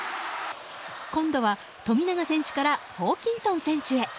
今度は富永選手からホーキンソン選手へ。